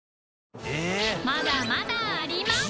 まだまだあります